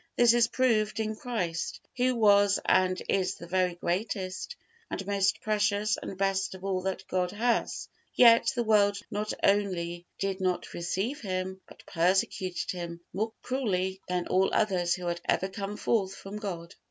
This is proved in Christ, Who was and is the very greatest and most precious and best of all that God has; yet the world not only did not receive Him, but persecuted Him more cruelly than all others who had ever come forth from God.